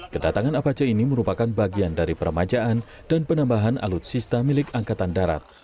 kedatangan apache ini merupakan bagian dari permajaan dan penambahan alutsista milik angkatan darat